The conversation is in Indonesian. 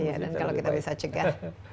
iya dan kalau kita bisa cegah